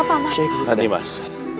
terima kasih mas